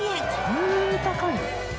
そんなに高いの？